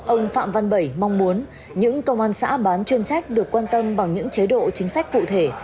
ông phạm văn bảy mong muốn những công an xã bán chuyên trách được quan tâm bằng những chế độ chính sách cụ thể